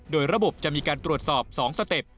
โดยระบบจะมีการตรวจสอบ๒สเต็ป